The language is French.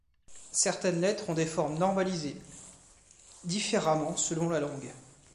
Certaines lettres ont des formes normalisées différemment selon la langue.